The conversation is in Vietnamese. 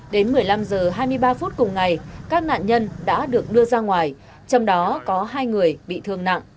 đến một mươi năm h hai mươi ba phút cùng ngày các nạn nhân đã được đưa ra ngoài trong đó có hai người bị thương nặng